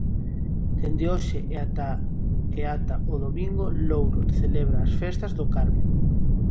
Dende hoxe e ata e ata o domingo, Louro celebra as festas do Carme.